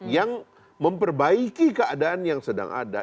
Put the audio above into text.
yang memperbaiki keadaan yang sedang ada